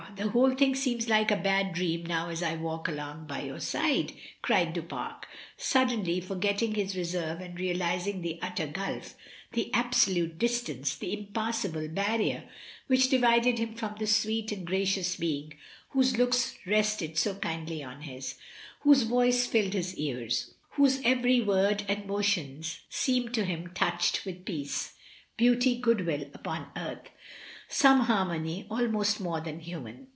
the whole thing seems like a bad dream now as I walk along by your side," cried Du Pare, suddenly forgetting his reserve and realising the utter gulf, the absolute distance, the impassable barrier which divided him from the sweet and gracious being whose looks rested so kindly on his, whose voice filled his ears, whose every word and mqtion seemed to him touched with peace, beauty, good will upon earth, some harmony almost more than human.